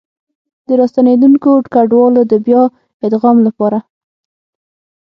د راستنېدونکو کډوالو د بيا ادغام لپاره